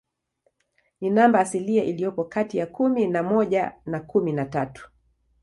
Ni namba asilia iliyopo kati ya kumi na moja na kumi na tatu.